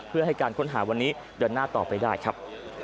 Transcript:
เพื่อให้การค้นหาวันนี้เดินหน้าต่อไปได้ครับ